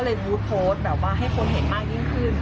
รู้โพสต์แบบว่าให้คนเห็นมากยิ่งขึ้น